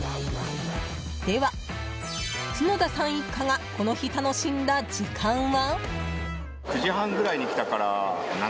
では、角田さん一家がこの日、楽しんだ時間は？